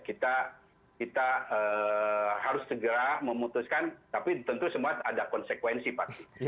kita harus segera memutuskan tapi tentu semua ada konsekuensi pasti